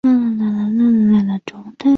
东京帝国大学教授。